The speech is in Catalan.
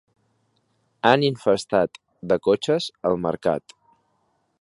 Han infestat de cotxes el mercat.